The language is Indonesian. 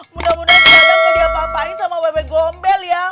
mudah mudahan si adam gak diapa apain sama bebek bumbel ya